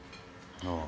ああ。